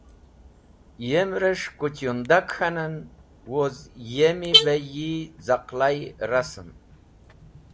Yem’res̃h “Kuchyundak” k̃hanen woz yemi be yi z̃aqlay rasm.